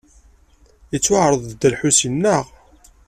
Ittwaɛreḍ-d Dda Lḥusin, neɣ ala?